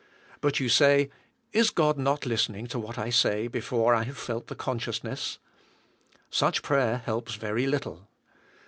But you say, *'Is God not listening to what I say before I have felt the consciousness." Such prayer helps very little.